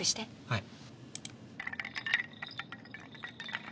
はい。